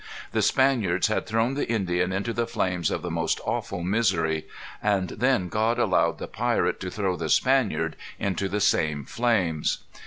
The Spaniards had thrown the Indian into the flames of the most awful misery. And then God allowed the pirate to throw the Spaniard into the same flames.